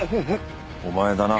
お前だな？